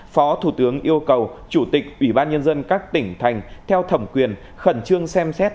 phó thủ tướng yêu cầu chủ tịch ủy ban nhân dân các tỉnh thành theo thẩm quyền khẩn trương xem xét